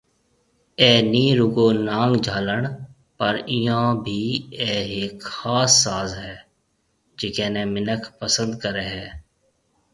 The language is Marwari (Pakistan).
اي ني رُگو نانگ جھالڻ پر ايئون بِي اي ھيَََڪ خاص ساز ھيَََ جڪي ني منک پسند ڪري ھيَََ